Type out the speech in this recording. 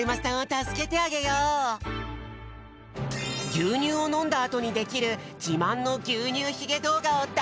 ぎゅうにゅうをのんだあとにできるじまんのぎゅうにゅうひげどうがをだ